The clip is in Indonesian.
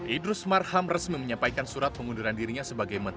idrus marham resmi menyampaikan surat pengunduran diri